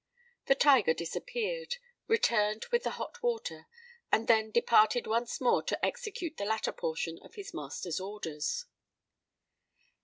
The tiger disappeared—returned with the hot water—and then departed once more, to execute the latter portion of his master's orders.